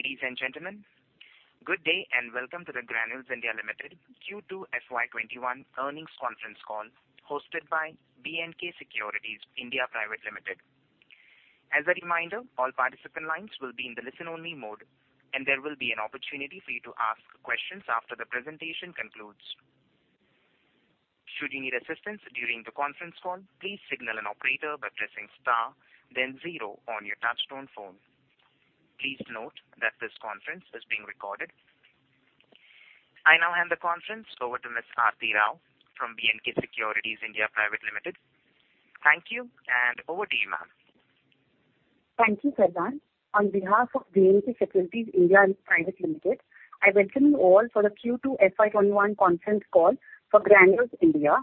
Ladies and gentlemen, good day and welcome to the Granules India Limited Q2 FY21 earnings conference call hosted by BNK Securities India Private Limited. As a reminder, all participant lines will be in the listen only mode, and there will be an opportunity for you to ask questions after the presentation concludes. Should you need assistance during the conference call, please signal an operator by pressing star then zero on your touchtone phone. Please note that this conference is being recorded. I now hand the conference over to Ms. Aarti Rao from B&K Securities India Private Limited. Thank you, and over to you, ma'am. Thank you, Sarvan. On behalf of BNK Securities India Private Limited, I welcome you all for the Q2 FY21 conference call for Granules India.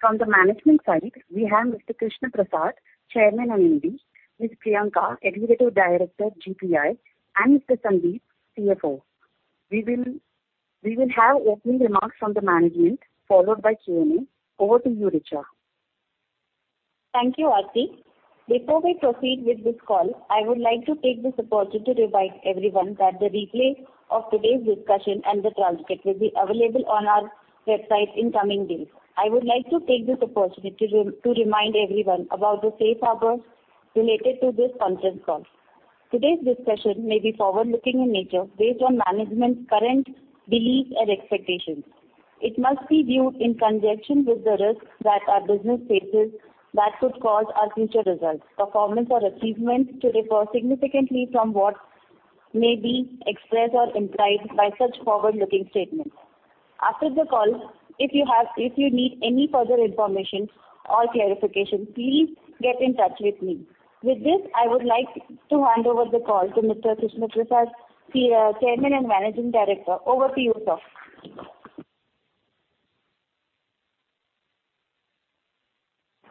From the management side, we have Mr. Krishna Prasad, Chairman and MD, Ms. Priyanka, Executive Director, GPI, and Mr. Sandip, CFO. We will have opening remarks from the management, followed by Q&A. Over to you, Richa. Thank you, Aarti. Before we proceed with this call, I would like to take this opportunity to remind everyone that the replay of today's discussion and the transcript will be available on our website in coming days. I would like to take this opportunity to remind everyone about the safe harbor related to this conference call. Today's discussion may be forward-looking in nature, based on management's current beliefs and expectations. It must be viewed in conjunction with the risks that our business faces that could cause our future results, performance, or achievements to differ significantly from what may be expressed or implied by such forward-looking statements. After the call, if you need any further information or clarification, please get in touch with me. With this, I would like to hand over the call to Mr. Krishna Prasad, Chairman and Managing Director. Over to you, sir.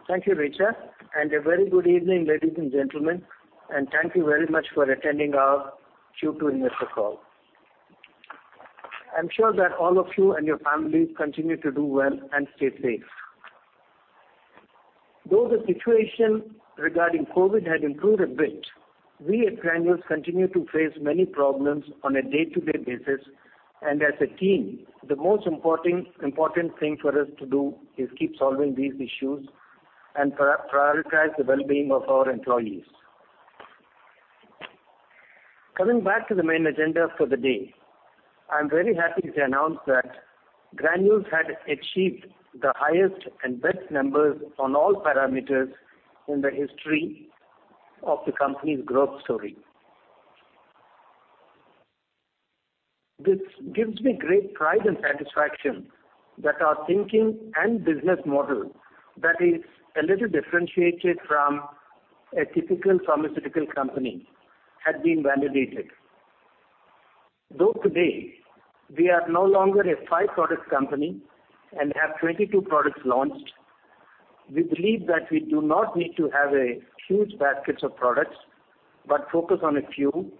Thank you, Richa, and a very good evening, ladies and gentlemen, and thank you very much for attending our Q2 investor call. I'm sure that all of you and your families continue to do well and stay safe. Though the situation regarding COVID had improved a bit, we at Granules continue to face many problems on a day-to-day basis, and as a team, the most important thing for us to do is keep solving these issues and prioritize the well-being of our employees. Coming back to the main agenda for the day, I'm very happy to announce that Granules had achieved the highest and best numbers on all parameters in the history of the company's growth story. This gives me great pride and satisfaction that our thinking and business model, that is a little differentiated from a typical pharmaceutical company, had been validated. Though today we are no longer a five-product company and have 22 products launched, we believe that we do not need to have a huge basket of products, but focus on a few,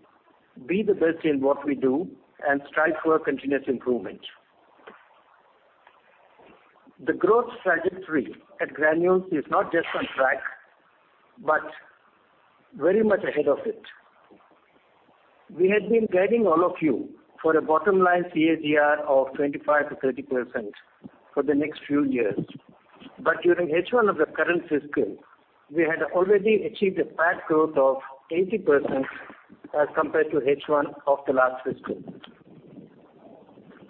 be the best in what we do, and strive for continuous improvement. The growth trajectory at Granules is not just on track, but very much ahead of it. We had been guiding all of you for a bottom line CAGR of 25%-30% for the next few years. During H1 of the current fiscal, we had already achieved a PAT growth of 80% as compared to H1 of the last fiscal.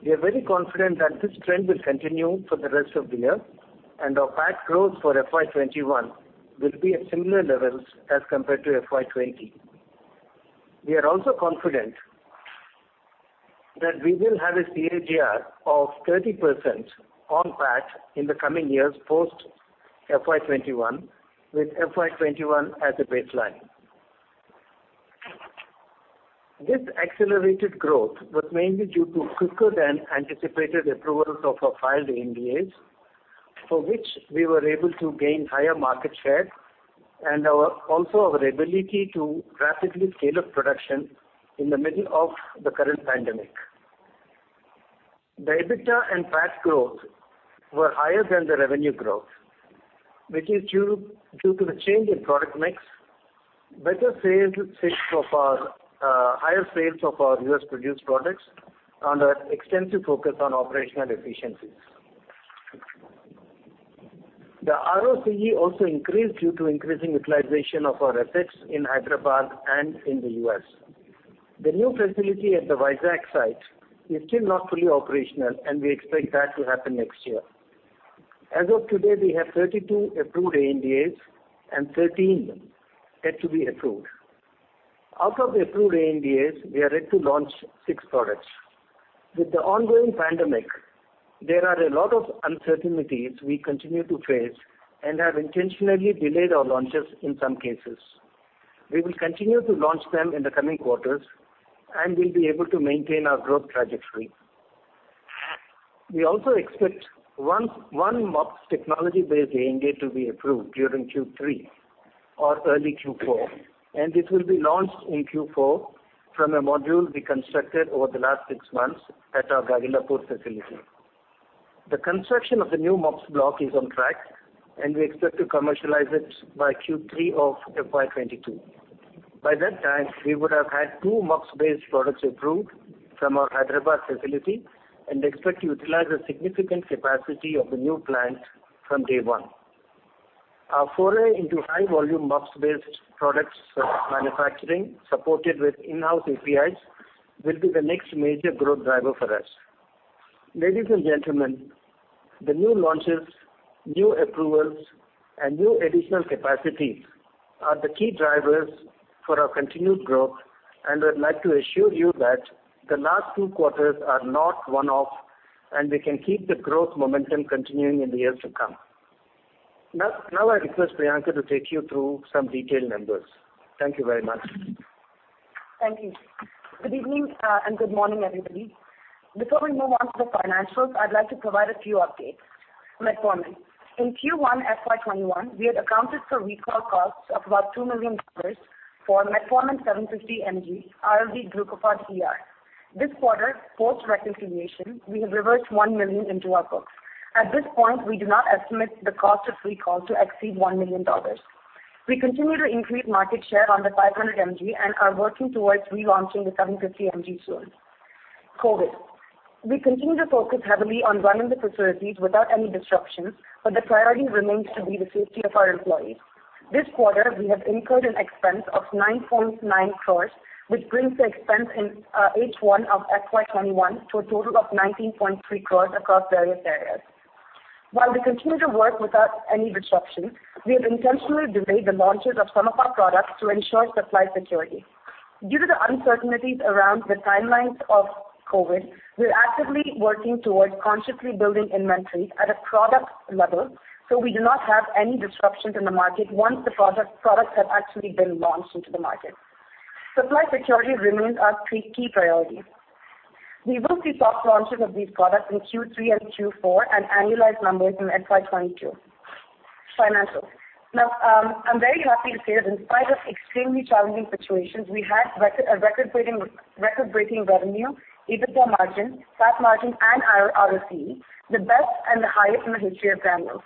We are very confident that this trend will continue for the rest of the year, and our PAT growth for FY 2021 will be at similar levels as compared to FY 2020. We are also confident that we will have a CAGR of 30% on PAT in the coming years post FY 2021, with FY 2021 as a baseline. This accelerated growth was mainly due to quicker than anticipated approvals of our filed ANDAs, for which we were able to gain higher market share, and also our ability to rapidly scale up production in the middle of the current pandemic. The EBITDA and PAT growth were higher than the revenue growth, which is due to the change in product mix, higher sales of our U.S.-produced products, and our extensive focus on operational efficiencies. The ROCE also increased due to increasing utilization of our FX in Hyderabad and in the U.S. The new facility at the Vizag site is still not fully operational, and we expect that to happen next year. As of today, we have 32 approved ANDAs, and 13 yet to be approved. Out of the approved ANDAs, we are ready to launch six products. With the ongoing pandemic, there are a lot of uncertainties we continue to face and have intentionally delayed our launches in some cases. We will continue to launch them in the coming quarters, and we'll be able to maintain our growth trajectory. We also expect one Mox technology-based ANDA to be approved during Q3 or early Q4, and it will be launched in Q4 from a module we constructed over the last six months at our Gagillapur facility. The construction of the new MUPS block is on track, and we expect to commercialize it by Q3 of FY 2022. By that time, we would have had two MUPS-based products approved from our Hyderabad facility and expect to utilize the significant capacity of the new plant from day one. Our foray into high-volume MUPS-based products manufacturing, supported with in-house APIs, will be the next major growth driver for us. Ladies and gentlemen, the new launches, new approvals, and new additional capacities are the key drivers for our continued growth, and I'd like to assure you that the last two quarters are not one-off, and we can keep the growth momentum continuing in the years to come. I request Priyanka to take you through some detailed numbers. Thank you very much. Thank you. Good evening and good morning, everybody. Before we move on to the financials, I'd like to provide a few updates. Metformin. In Q1 FY 2021, we had accounted for recall costs of about $2 million for Metformin 750 mg, Glucophage XR. This quarter, post-reconciliation, we have reversed $1 million into our books. At this point, we do not estimate the cost of recall to exceed $1 million. We continue to increase market share on the 500 mg and are working towards relaunching the 750 mg soon. COVID. We continue to focus heavily on running the facilities without any disruptions. The priority remains to be the safety of our employees. This quarter, we have incurred an expense of 9.9 crore, which brings the expense in H1 of FY 2021 to a total of 19.3 crore across various areas. While we continue to work without any disruptions, we have intentionally delayed the launches of some of our products to ensure supply security. Due to the uncertainties around the timelines of COVID, we are actively working towards consciously building inventories at a product level so we do not have any disruptions in the market once the products have actually been launched into the market. Supply security remains our key priority. We will see soft launches of these products in Q3 and Q4 and annualized numbers in FY 2022. Financials. I'm very happy to say that in spite of extremely challenging situations, we had a record-breaking revenue, EBITDA margin, PAT margin, and ROCE, the best and the highest in the history of Granules.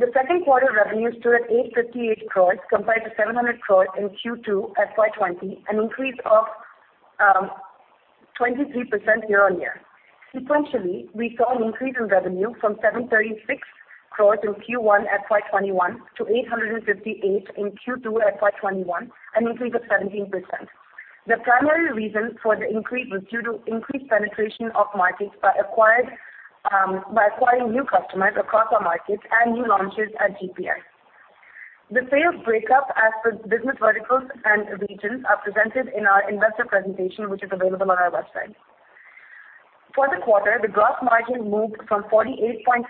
The second quarter revenue stood at 858 crore compared to 700 crore in Q2 FY 2020, an increase of 23% year-on-year. Sequentially, we saw an increase in revenue from 736 crore in Q1 FY 2021 to 858 crore in Q2 FY 2021, an increase of 17%. The primary reason for the increase was due to increased penetration of markets by acquiring new customers across our markets and new launches at GPI. The sales breakup as per business verticals and regions are presented in our investor presentation, which is available on our website. For the quarter, the gross margin moved from 48.6%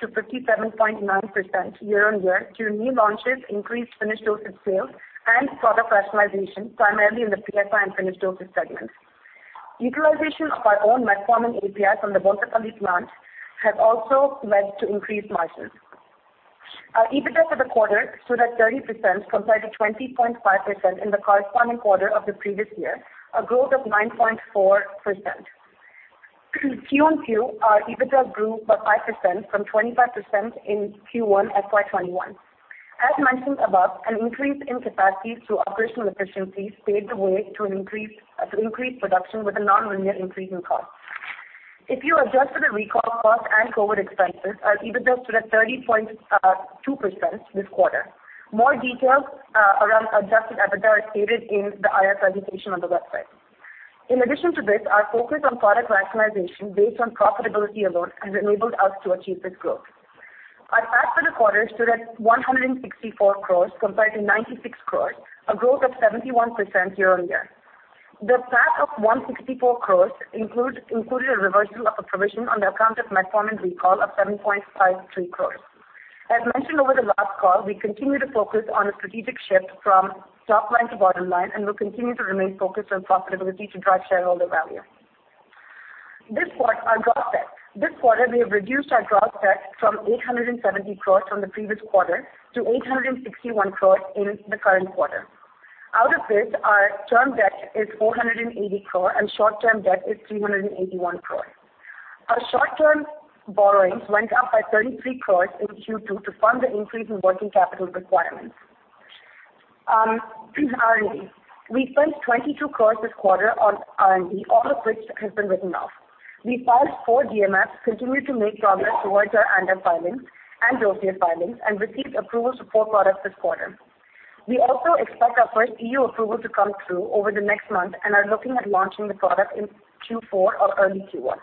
to 57.9% year-on-year due to new launches, increased finished dosage sales, and product rationalization, primarily in the API and finished dosage segments. Utilization of our own Metformin API from the Bonthapally plant has also led to increased margins. Our EBITDA for the quarter stood at 30%, compared to 20.5% in the corresponding quarter of the previous year, a growth of 9.4%. Quarter-on-quarter, our EBITDA grew by 5% from 25% in Q1 FY 2021. As mentioned above, an increase in capacity through operational efficiencies paved the way to increased production with a non-linear increase in cost. If you adjust for the recall cost and COVID expenses, our EBITDA stood at 30.2% this quarter. More details around adjusted EBITDA are stated in the IR presentation on the website. Our focus on product rationalization based on profitability alone has enabled us to achieve this growth. Our PAT for the quarter stood at 164 crore compared to 96 crore, a growth of 71% year-on-year. The PAT of 164 crore included a reversal of a provision on the account of Metformin recall of 7.53 crore. As mentioned over the last call, we continue to focus on a strategic shift from top line to bottom line and will continue to remain focused on profitability to drive shareholder value. Our gross debt. This quarter, we have reduced our gross debt from 870 crores from the previous quarter to 861 crores in the current quarter. Out of this, our term debt is 480 crores, and short-term debt is 381 crores. Our short-term borrowings went up by 33 crores in Q2 to fund the increase in working capital requirements. R&D. We spent 22 crores this quarter on R&D, all of which has been written off. We filed four DMFs, continued to make progress towards our ANDA filings and dossier filings, and received approvals for four products this quarter. We also expect our first EU approval to come through over the next month and are looking at launching the product in Q4 or early Q1.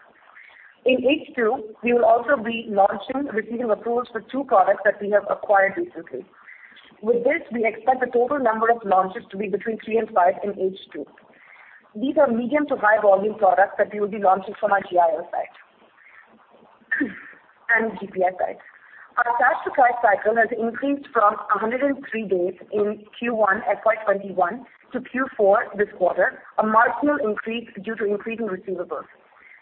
In H2, we will also be receiving approvals for two products that we have acquired recently. With this, we expect the total number of launches to be between three and five in H2. These are medium to high volume products that we will be launching from our Gagillapur site and GPI sites. Our cash to cost cycle has increased from 103 days in Q1 FY 2021 to Q4 this quarter, a marginal increase due to increase in receivables.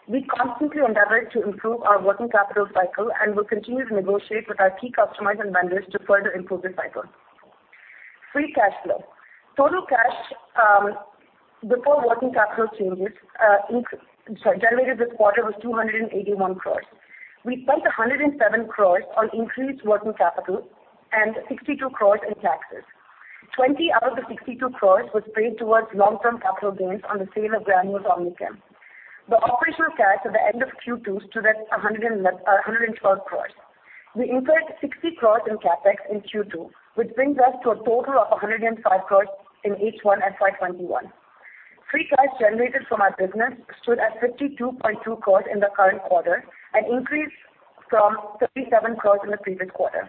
We constantly endeavor to improve our working capital cycle and will continue to negotiate with our key customers and vendors to further improve this cycle. Free cash flow. Total cash, before working capital changes, generated this quarter was 281 crores. We spent 107 crores on increased working capital and 62 crores in taxes. 20 out of the 62 crores was paid towards long-term capital gains on the sale of Granules-OmniChem. The operational cash at the end of Q2 stood at 112 crores. We incurred 60 crores in CapEx in Q2, which brings us to a total of 105 crores in H1 FY 2021. Free cash generated from our business stood at 52.2 crores in the current quarter, an increase from 37 crores in the previous quarter.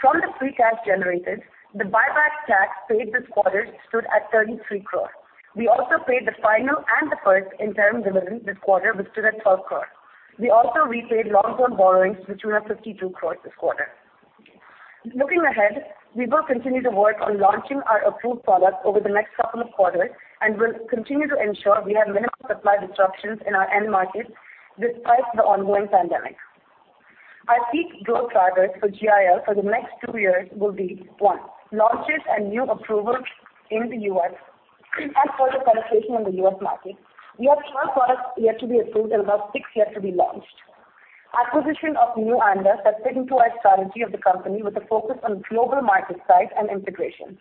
From the free cash generated, the buyback tax paid this quarter stood at 33 crores. We also paid the final and the first interim dividend this quarter, which stood at 12 crores. We also repaid long-term borrowings to 252 crores this quarter. Looking ahead, we will continue to work on launching our approved products over the next couple of quarters and will continue to ensure we have minimum supply disruptions in our end markets despite the ongoing pandemic. Our key growth drivers for GIL for the next two years will be, one, launches and new approvals in the U.S. and further penetration in the U.S. market. We have 12 products yet to be approved and about six yet to be launched. Acquisition of new ANDAs that fit into our strategy of the company with a focus on global market size and integration.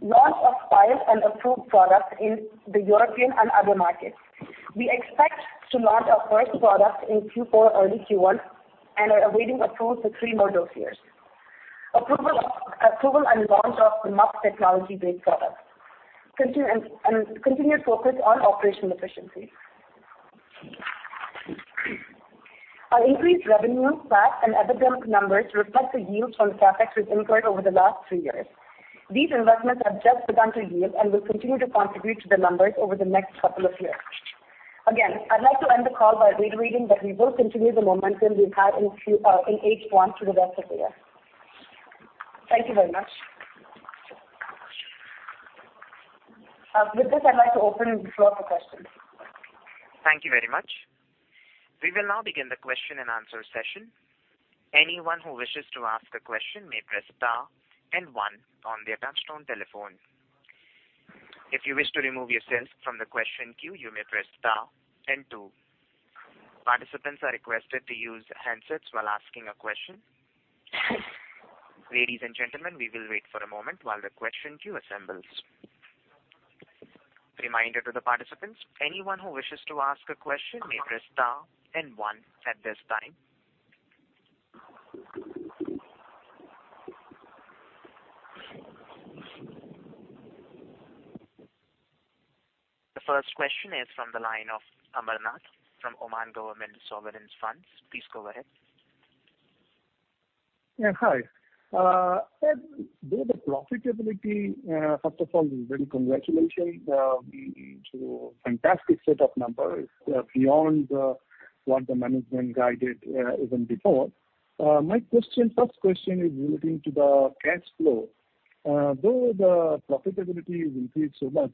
Launch of filed and approved products in the European and other markets. We expect to launch our first product in Q4 or early Q1, and are awaiting approval for three more dossiers. Approval and launch of the MUPS technology-based products. Continued focus on operational efficiencies. Our increased revenue, PAT and EBITDA numbers reflect the yields on the CapEx we've incurred over the last three years. These investments have just begun to yield and will continue to contribute to the numbers over the next couple of years. I'd like to end the call by reiterating that we will continue the momentum we've had in H1 to the rest of the year. Thank you very much. With this, I'd like to open the floor for questions. Thank you very much. We will now begin the question and answer session. Anyone who wishes to ask a question may press star and one on their touchtone telephone. If you wish to remove yourself from the question queue, you may press star and two. Participants are requested to use handsets while asking a question. Ladies and gentlemen, we will wait for a moment while the question queue assembles. Reminder to the participants, anyone who wishes to ask a question may press star and one at this time. The first question is from the line of Amarnath from Oman Government Sovereign Funds. Please go ahead. Yeah, hi. Ed, first of all, really congratulations into fantastic set of numbers, beyond what the management guided even before. My first question is relating to the cash flow. Though the profitability has increased so much,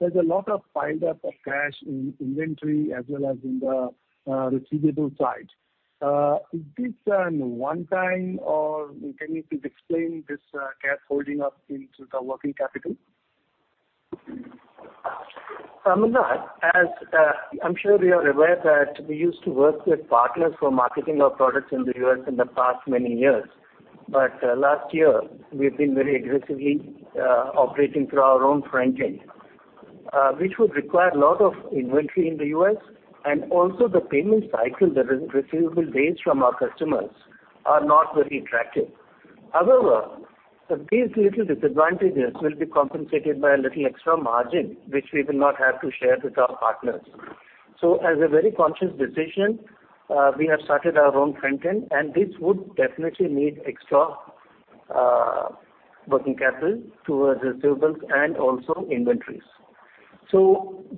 there's a lot of pile-up of cash in inventory as well as in the receivable side. Is this a one time, or can you please explain this cash holding up into the working capital? Amarnath, as I'm sure you are aware that we used to work with partners for marketing our products in the U.S. in the past many years. Last year, we've been very aggressively operating through our own front end, which would require a lot of inventory in the U.S. Also the payment cycle, the receivable days from our customers are not very attractive. However, these little disadvantages will be compensated by a little extra margin, which we will not have to share with our partners. As a very conscious decision, we have started our own front end, and this would definitely need extra working capital towards receivables and also inventories.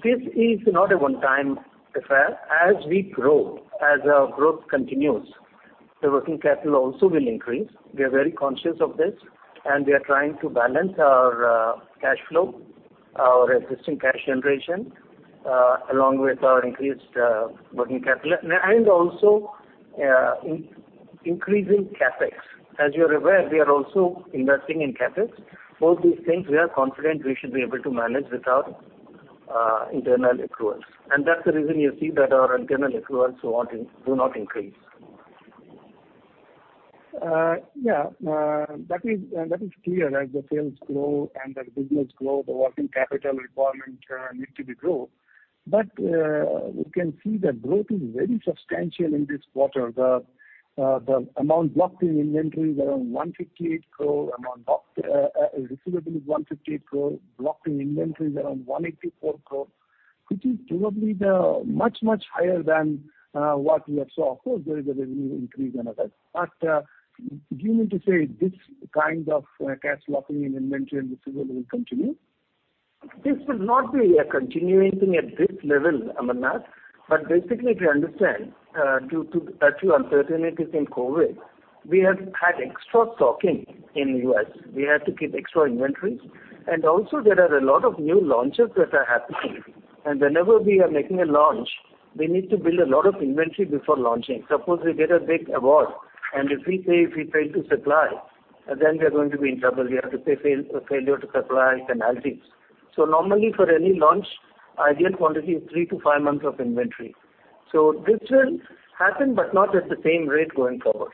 This is not a one-time affair. As we grow, as our growth continues, the working capital also will increase. We are very conscious of this, we are trying to balance our cash flow, our existing cash generation, along with our increased working capital and also increasing CapEx. As you are aware, we are also investing in CapEx. Both these things, we are confident we should be able to manage with our internal accruals. That is the reason you see that our internal accruals do not increase. Yeah. That is clear. As the sales grow and as business grow, the working capital requirement need to be grow. We can see the growth is very substantial in this quarter. The amount blocked in inventories around 158 crore, receivables 158 crore, blocked in inventories around 184 crore, which is probably much higher than what we have saw. Of course, there is a revenue increase and others. Do you mean to say this kind of cash blocking in inventory and receivable will continue? This will not be a continuing thing at this level, Amarnath. Basically, if you understand, due to a few uncertainties in COVID, we have had extra stocking in U.S. We have to keep extra inventories. Also there are a lot of new launches that are happening. Whenever we are making a launch, we need to build a lot of inventory before launching. Suppose we get a big award, if we fail to supply, then we are going to be in trouble. We have to pay failure to supply penalties. Normally for any launch, ideal quantity is three to five months of inventory. This will happen, not at the same rate going forward.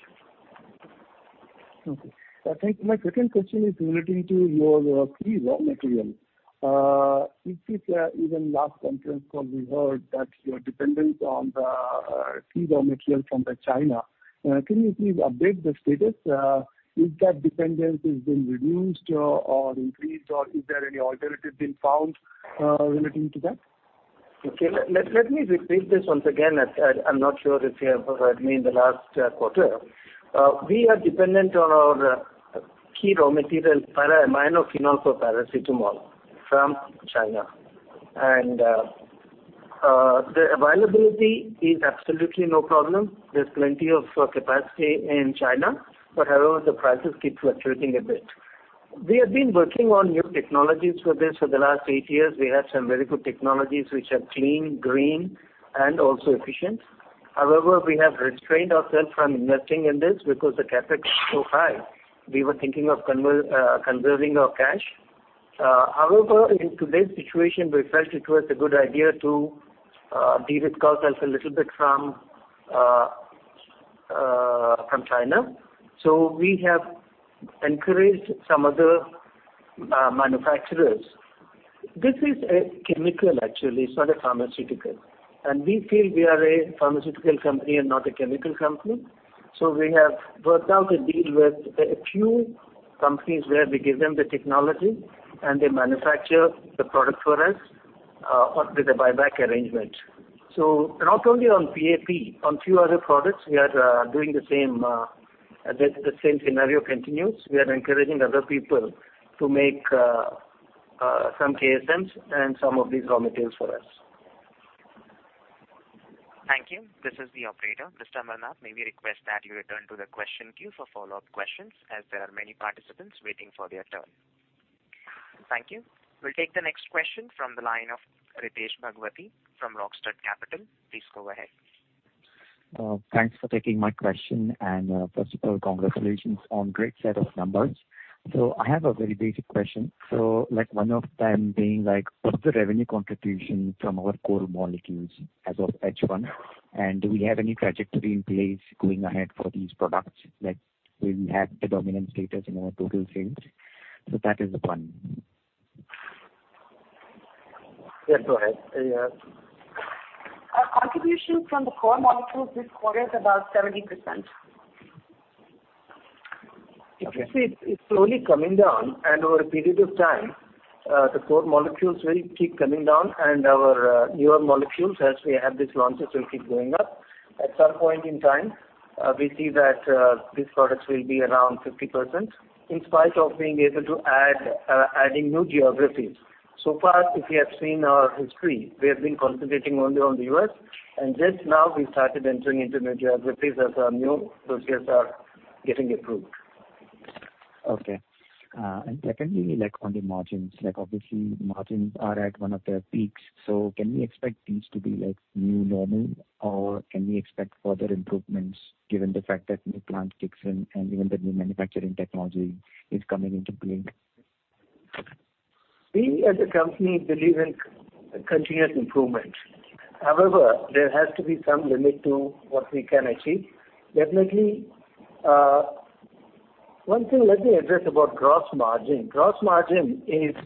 Okay. I think my second question is relating to your key raw material. Even last conference call, we heard that you are dependent on the key raw material from China. Can you please update the status? Is that dependence has been reduced or increased, or is there any alternative been found relating to that? Okay. Let me repeat this once again, as I am not sure if you have heard me in the last quarter. We are dependent on our key raw material, para-aminophenol for paracetamol from China. The availability is absolutely no problem. There's plenty of capacity in China, however, the prices keep fluctuating a bit. We have been working on new technologies for this for the last eight years. We have some very good technologies which are clean, green, and also efficient. However, we have restrained ourselves from investing in this because the CapEx is so high. We were thinking of conserving our cash. However, in today's situation, we felt it was a good idea to de-risk ourselves a little bit from China. We have encouraged some other manufacturers. This is a chemical actually, it's not a pharmaceutical. We feel we are a pharmaceutical company and not a chemical company. We have worked out a deal with a few companies where we give them the technology, and they manufacture the product for us, with a buyback arrangement. Not only on PAP, on few other products, we are doing the same. The same scenario continues. We are encouraging other people to make some KSMs and some of these raw materials for us. Thank you. This is the operator. Mr. Amarnath, may we request that you return to the question queue for follow-up questions, as there are many participants waiting for their turn. Thank you. We'll take the next question from the line of Ritesh Bhagwati from Rockstud Capital. Please go ahead. Thanks for taking my question. First of all, congratulations on great set of numbers. I have a very basic question. One of them being, what's the revenue contribution from our core molecules as of H1? Do we have any trajectory in place going ahead for these products that will have the dominant status in our total sales? That is the one. Yes, go ahead. Contribution from the core molecules this quarter is about 70%. If you see, it's slowly coming down, and over a period of time, the core molecules will keep coming down and our newer molecules, as we have these launches, will keep going up. At some point in time, we see that these products will be around 50%, in spite of being able to adding new geographies. So far, if you have seen our history, we have been concentrating only on the U.S., and just now we started entering into new geographies as our new products are getting approved. Okay. Secondly, on the margins. Obviously, margins are at one of their peaks. Can we expect these to be new normal, or can we expect further improvements given the fact that new plants kicks in and even the new manufacturing technology is coming into play? We as a company believe in continuous improvement. There has to be some limit to what we can achieve. Definitely, one thing, let me address about gross margin. Gross margin is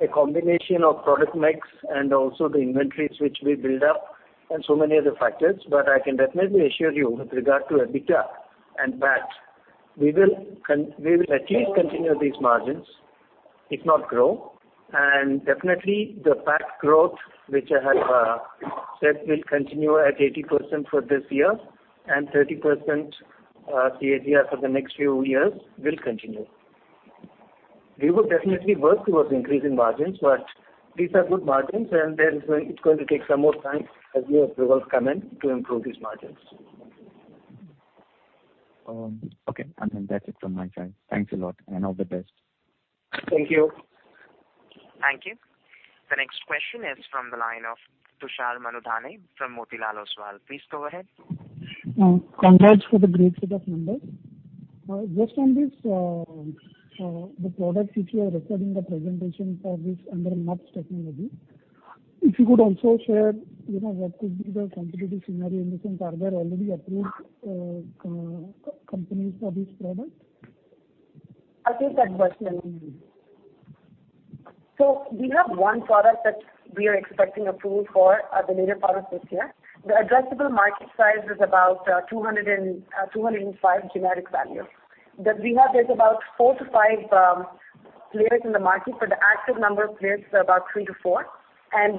a combination of product mix and also the inventories which we build up and so many other factors. I can definitely assure you with regard to EBITDA and PAT, we will at least continue these margins, if not grow. Definitely the PAT growth, which I have said will continue at 80% for this year and 30% CAGR for the next few years, will continue. We will definitely work towards increasing margins, but these are good margins, and it's going to take some more time as newer approvals come in to improve these margins. Okay. That's it from my side. Thanks a lot, and all the best. Thank you. Thank you. The next question is from the line of Tushar Manudhane from Motilal Oswal. Please go ahead. Congrats for the great set of numbers. Just on this, the product which you are referring the presentation for this under MUPS technology. If you could also share, what could be the competitive scenario in the sense, are there already approved companies for this product? I'll take that, Tushar. We have one product that we are expecting approval for the later part of this year. The addressable market size is about 205 generic value. That we have. There's about 4 to 5 players in the market, but the active number of players is about 3 to 4.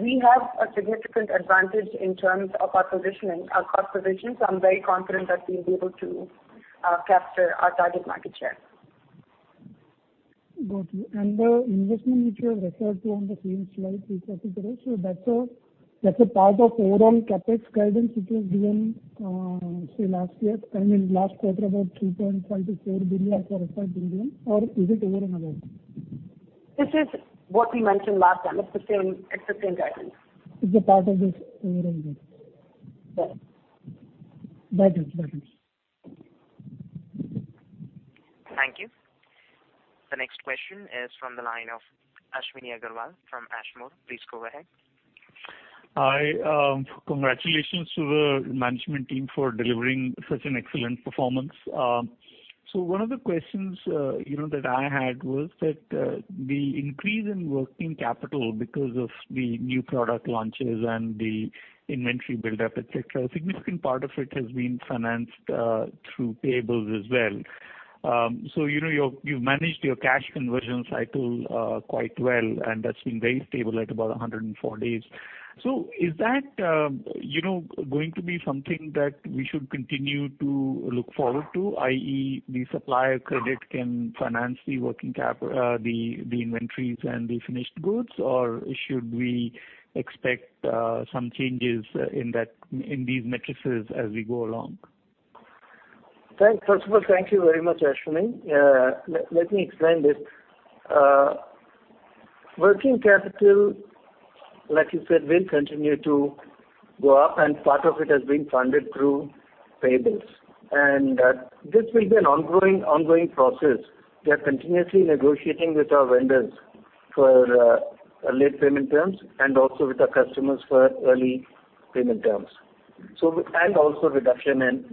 We have a significant advantage in terms of our positioning, our cost position. I'm very confident that we'll be able to capture our target market share. Got you. The investment which you have referred to on the same slide, if I can get it. That's a part of overall CapEx guidance which was given, say, last year, I mean, last quarter, about 3.5 billion-4 billion or 5 billion, or is it over and above? This is what we mentioned last time. It's the same guidance. It's a part of this overall bit? Yes. That is better. Thank you. The next question is from the line of Ashwini Agarwal from Ashmore. Please go ahead. Hi. Congratulations to the management team for delivering such an excellent performance. One of the questions that I had was that the increase in working capital because of the new product launches and the inventory buildup, et cetera, a significant part of it has been financed through payables as well. You've managed your cash conversion cycle quite well, and that's been very stable at about 104 days. Is that going to be something that we should continue to look forward to, i.e., the supplier credit can finance the inventories and the finished goods, or should we expect some changes in these metrics as we go along? First of all, thank you very much, Ashwini. Let me explain this. Working capital, like you said, will continue to go up, part of it has been funded through payables. This will be an ongoing process. We are continuously negotiating with our vendors for late payment terms and also with our customers for early payment terms. Also reduction in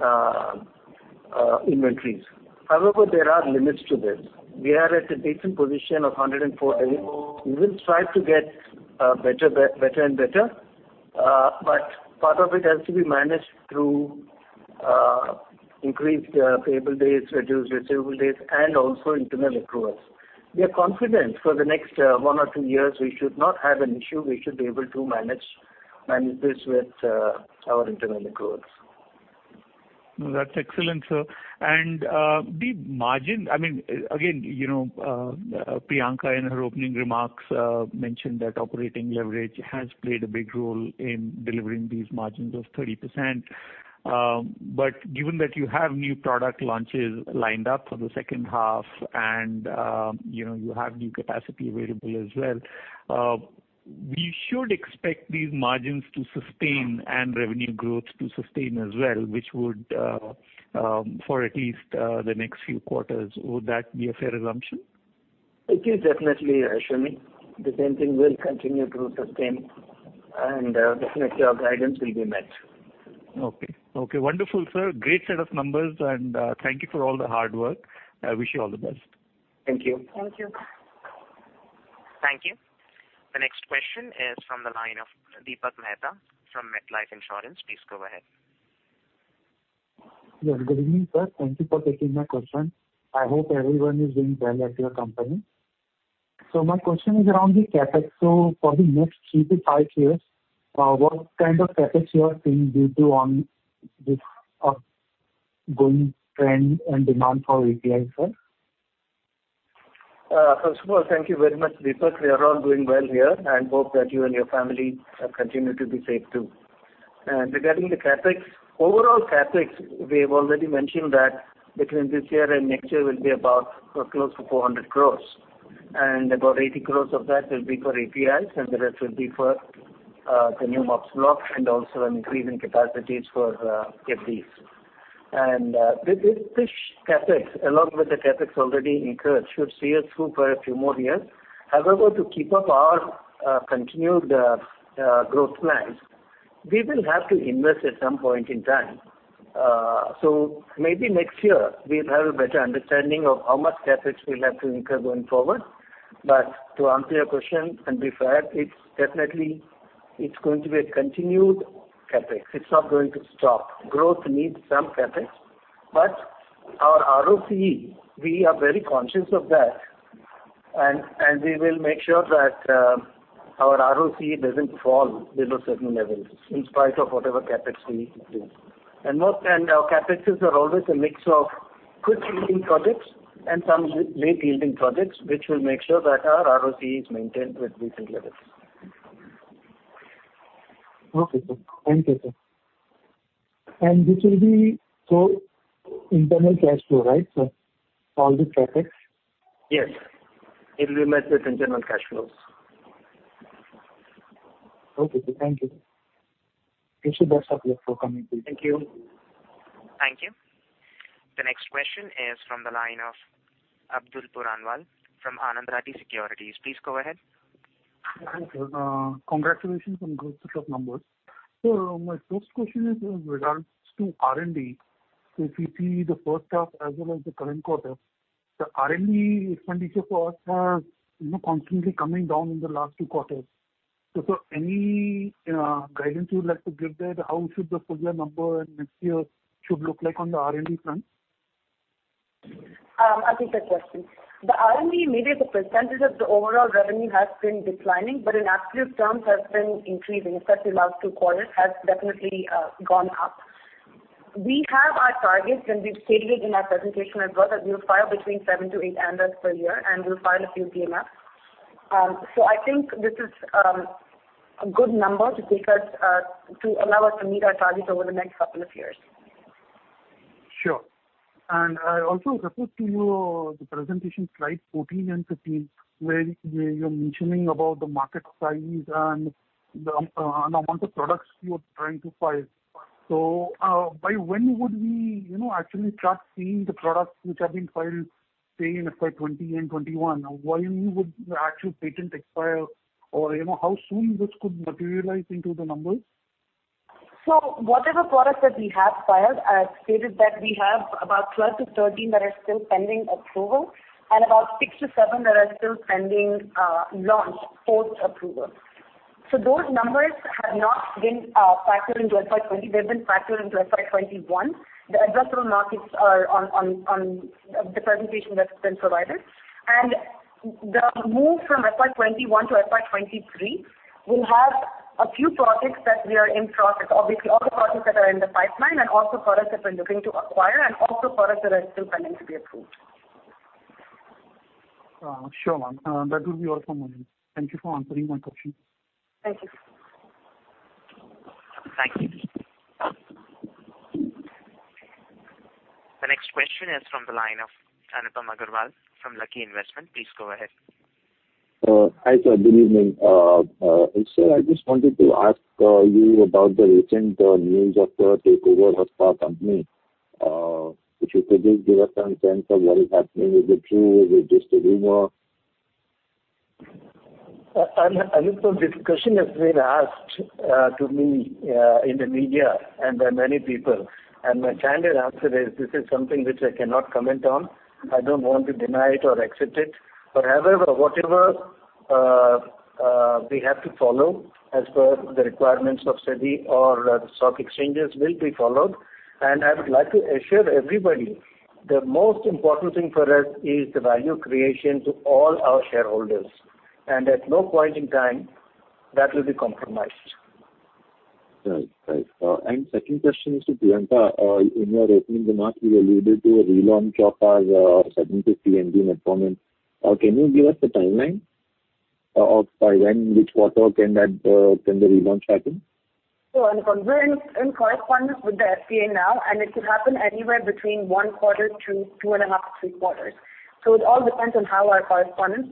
inventories. However, there are limits to this. We are at a decent position of 104 days. We will strive to get better and better, but part of it has to be managed through increased payable days, reduced receivable days, and also internal accruals. We are confident for the next one or two years, we should not have an issue. We should be able to manage this with our internal accruals. That's excellent, sir. The margin, again, Priyanka in her opening remarks, mentioned that operating leverage has played a big role in delivering these margins of 30%. Given that you have new product launches lined up for the second half and you have new capacity available as well, we should expect these margins to sustain and revenue growth to sustain as well, for at least the next few quarters. Would that be a fair assumption? It is definitely, Ashwini. The same thing will continue to sustain, and definitely our guidance will be met. Okay. Wonderful, sir. Great set of numbers. Thank you for all the hard work. I wish you all the best. Thank you. Thank you. Thank you. The next question is from the line of Deepak Mehta from MetLife Insurance. Please go ahead. Yes, good evening, sir. Thank you for taking my question. I hope everyone is doing well at your company. My question is around the CapEx. For the next three to five years, what kind of CapEx you are seeing due to ongoing trend and demand for API, sir? First of all, thank you very much, Deepak. We are all doing well here, and hope that you and your family continue to be safe, too. Regarding the CapEx, overall CapEx, we have already mentioned that between this year and next year will be about close to 400 crore, and about 80 crore of that will be for APIs and the rest will be for the new MUPS block and also an increase in capacities for FDs. This CapEx, along with the CapEx already incurred, should see us through for a few more years. However, to keep up our continued growth plans, we will have to invest at some point in time. Maybe next year, we'll have a better understanding of how much CapEx we'll have to incur going forward. To answer your question, and be fair, it's definitely going to be a continued CapEx. It's not going to stop. Growth needs some CapEx, but our ROCE, we are very conscious of that, and we will make sure that our ROCE doesn't fall below certain levels in spite of whatever CapEx we do. Our CapExes are always a mix of quick-yielding projects and some late-yielding projects, which will make sure that our ROCE is maintained with decent levels. Okay, sir. Thank you, sir. This will be internal cash flow, right, sir? All the CapEx? Yes. It will be met with internal cash flows. Okay, sir. Thank you. Wish you best of luck for coming days. Thank you. Thank you. The next question is from the line of Abdulkader Puranwala from Anand Rathi Securities. Please go ahead. Hi, sir. Congratulations on good set of numbers. Sir, my first question is in regards to R&D. If we see the first half as well as the current quarter, the R&D expenditure for us has been constantly coming down in the last two quarters. Sir, any guidance you would like to give there? How should the full-year number next year should look like on the R&D front? I'll take that question. The R&D, maybe as a percentage of the overall revenue has been declining, but in absolute terms has been increasing, especially last two quarters, has definitely gone up. We have our targets, and we've stated it in our presentation as well, that we'll file between seven to eight ANDAs per year, and we'll file a few DMFs. I think this is a good number to allow us to meet our targets over the next couple of years. Sure. I also refer to your presentation slides 14 and 15, where you're mentioning about the market size and the amount of products you're trying to file. By when would we actually start seeing the products which have been filed, say, in FY 2020 and FY 2021? When would the actual patent expire? Or how soon this could materialize into the numbers? Whatever products that we have filed, I have stated that we have about 12 to 13 that are still pending approval, and about six to seven that are still pending launch, post-approval. Those numbers have not been factored into FY 2020. They've been factored into FY 2021. The addressable markets are on the presentation that's been provided. The move from FY 2021 to FY 2023 will have a few products that we are in process. Obviously, all the products that are in the pipeline and also products that we're looking to acquire, and also products that are still pending to be approved. Sure, ma'am. That will be all for me. Thank you for answering my question. Thank you. Thank you. The next question is from the line of Anupam Agarwal from Lucky Investment. Please go ahead. Hi, sir. Good evening. Sir, I just wanted to ask you about the recent news of the takeover of our company. If you could just give us some sense of what is happening. Is it true? Is it just a rumor? Anupam, this question has been asked to me in the media and by many people. My standard answer is, this is something which I cannot comment on. I don't want to deny it or accept it. However, whatever we have to follow as per the requirements of SEBI or the stock exchanges will be followed. I would like to assure everybody, the most important thing for us is the value creation to all our shareholders, and at no point in time that will be compromised. Right. Second question is to Priyanka. In your opening remarks, you alluded to a relaunch of our 70 mg net performance. Can you give us the timeline of by when, which quarter can the relaunch happen? Anupam, we're in correspondence with the FDA now, and it could happen anywhere between one quarter to two and a half, three quarters. It all depends on how our correspondence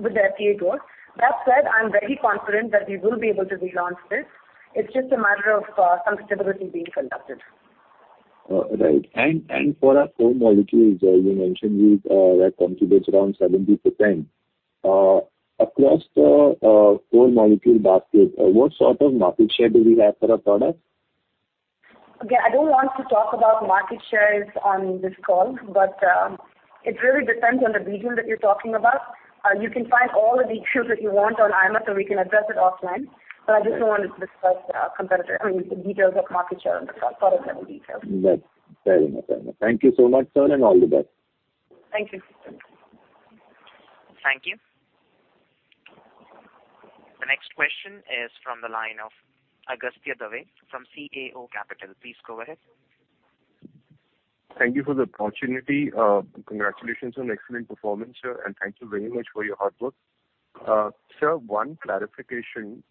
with the FDA goes. That said, I'm very confident that we will be able to relaunch this. It's just a matter of some stability being conducted. Right. For our core molecules, you mentioned that contributes around 70%. Across the core molecule basket, what sort of market share do we have for our products? Again, I don't want to talk about market shares on this call, but it really depends on the region that you're talking about. You can find all the details that you want on IMS, or we can address it offline, but I just don't want to discuss competitor I mean, the details of market share and the product-level details. Right. Fair enough. Thank you so much, sir, and all the best. Thank you. Thank you. The next question is from the line of Agastya Dave from CAO Capital. Please go ahead. Thank you for the opportunity. Congratulations on excellent performance, sir, and thank you very much for your hard work. Sir, one clarification.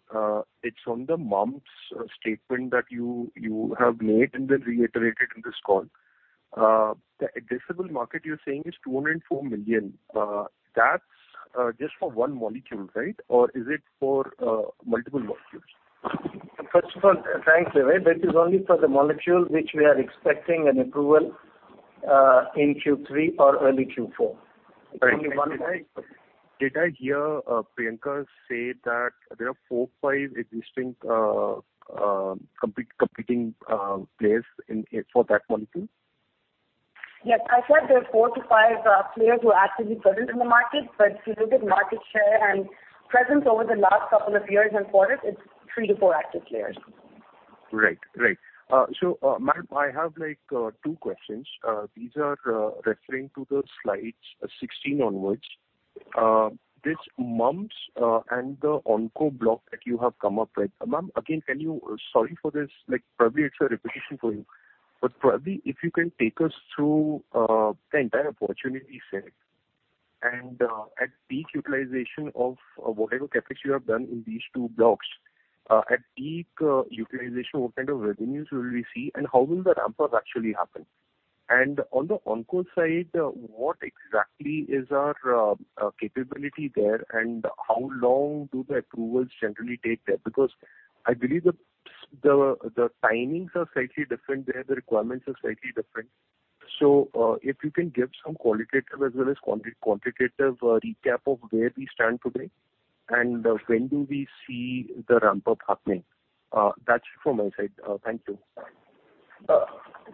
It's on the MUPS statement that you have made and then reiterated in this call. The addressable market you're saying is 204 million. That's just for one molecule, right? Or is it for multiple molecules? First of all, thanks, Dave. That is only for the molecule which we are expecting an approval in Q3 or early Q4. It is only one molecule. Did I hear Priyanka say that there are four, five existing competing players for that molecule? Yes. I said there are four to five players who are actively present in the market, if you look at market share and presence over the last couple of years and quarters, it's three to four active players. Right. Ma'am, I have two questions. These are referring to the slides 16 onwards. This MUPS and the Oncology block that you have come up with. Ma'am, again, can you Sorry for this, probably it's a repetition for you, probably if you can take us through the entire opportunity set and at peak utilization of whatever capacity you have done in these two blocks, at peak utilization, what kind of revenues will we see and how will the ramp-ups actually happen? On the Oncology side, what exactly is our capability there, and how long do the approvals generally take there? I believe the timings are slightly different there, the requirements are slightly different. If you can give some qualitative as well as quantitative recap of where we stand today and when do we see the ramp-up happening. That's it from my side. Thank you.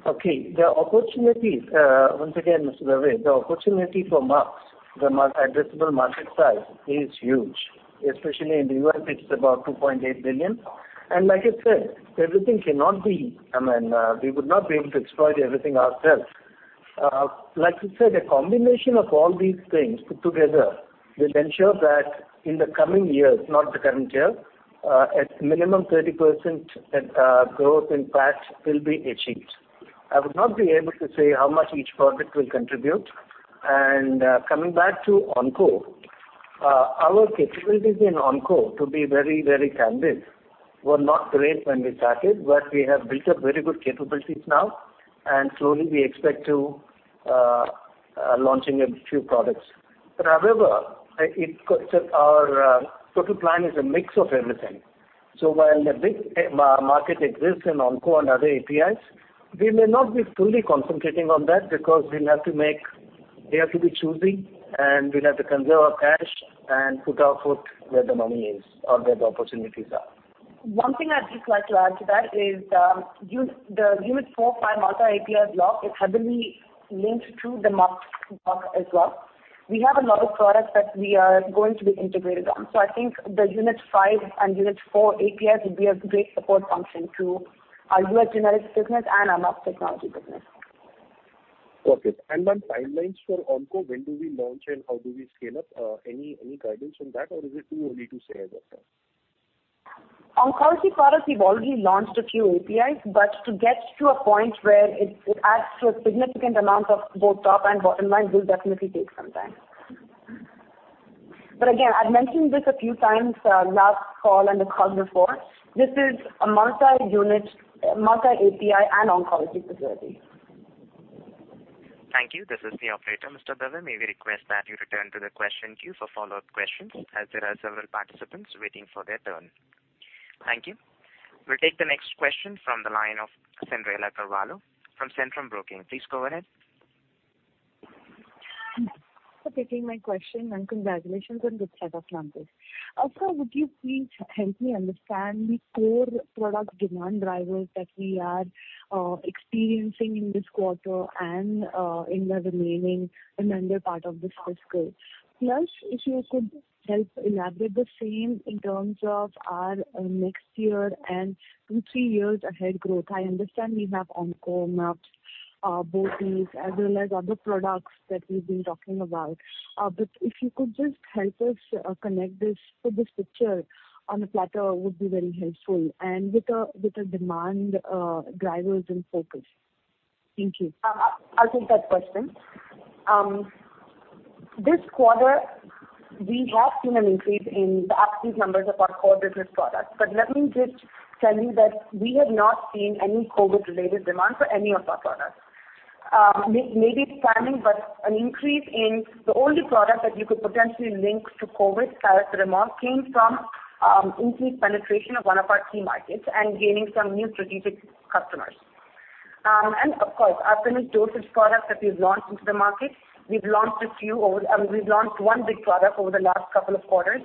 Okay. Once again, Mr. Dave, the opportunity for MUPS, the addressable market size is huge, especially in the U.S., it's about $2.8 billion. Like I said, everything cannot be I mean, we would not be able to exploit everything ourselves. Like you said, a combination of all these things put together will ensure that in the coming years, not the current year, at minimum 30% growth in PAT will be achieved. I would not be able to say how much each project will contribute. Coming back to Oncology, our capabilities in onco, to be very candid, were not great when we started, we have built up very good capabilities now, slowly we expect to be launching a few products. However, our total plan is a mix of everything. While the big market exists in onco and other APIs, we may not be fully concentrating on that because we have to be choosy, we'll have to conserve our cash and put our foot where the money is or where the opportunities are. One thing I'd just like to add to that is, the unit 4, 5 multi API block is heavily linked to the MUPS block as well. We have a lot of products that we are going to be integrated on. I think the unit 5 and unit 4 APIs will be a great support function to our U.S. generics business and our MUPS technology business. Okay. On timelines for onco, when do we launch and how do we scale up? Any guidance on that, or is it too early to say at this time? Oncology products, we've already launched a few APIs, to get to a point where it adds to a significant amount of both top and bottom line will definitely take some time. Again, I've mentioned this a few times, last call and the call before, this is a multi-API and Oncology facility. Thank you. This is the operator. Mr. Bhavir, may we request that you return to the question queue for follow-up questions, as there are several participants waiting for their turn. Thank you. We'll take the next question from the line of Cyndrella Carvalho from Centrum Broking. Please go ahead. Thank you for taking my question, and congratulations on good set of numbers. Priyanka, would you please help me understand the core product demand drivers that we are experiencing in this quarter and in the remaining calendar part of this fiscal? Plus, if you could help elaborate the same in terms of our next year and two, three years ahead growth. I understand we have Onco, MUPS, both these, as well as other products that we've been talking about. If you could just help us connect this bigger picture on a platter, would be very helpful, and with the demand drivers in focus. Thank you. I'll take that question. This quarter, we have seen an increase in the absolute numbers of our core business products. Let me just tell you that we have not seen any COVID-related demand for any of our products. Maybe timing, an increase in the only product that you could potentially link to COVID paracetamol came from increased penetration of one of our key markets and gaining some new strategic customers. Of course, our Finished Dosages products that we've launched into the market, we've launched one big product over the last couple of quarters.